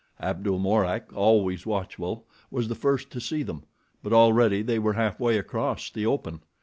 Abdul Mourak, always watchful, was the first to see them, but already they were halfway across the open.